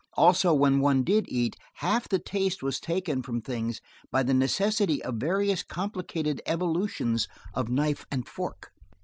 Also, when one did eat, half the taste was taken from things by the necessity of various complicated evolutions of knife and fork.